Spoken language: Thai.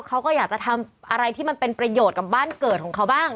เขาก็อยากจะทำอะไรที่มันเป็นประโยชน์กับบ้านเกิดของเขาบ้าง